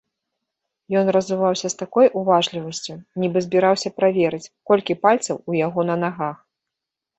Ён разуваўся з такой уважлівасцю, нібы збіраўся праверыць, колькі пальцаў у яго на нагах.